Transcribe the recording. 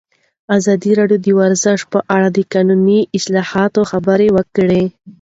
ازادي راډیو د ورزش په اړه د قانوني اصلاحاتو خبر ورکړی.